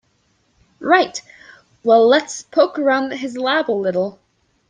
Right, well let's poke around his lab a little.